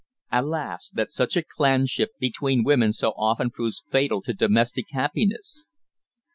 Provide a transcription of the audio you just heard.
Alas! that such a clanship between women so often proves fatal to domestic happiness.